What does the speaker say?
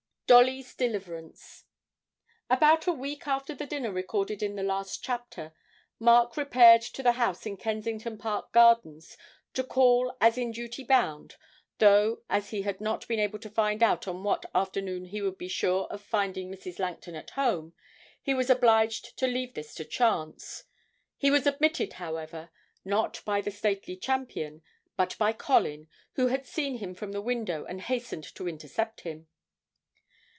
DOLLY'S DELIVERANCE. About a week after the dinner recorded in the last chapter, Mark repaired to the house in Kensington Park Gardens to call as in duty bound, though, as he had not been able to find out on what afternoon he would be sure of finding Mrs. Langton at home, he was obliged to leave this to chance. He was admitted, however not by the stately Champion, but by Colin, who had seen him from the window and hastened to intercept him.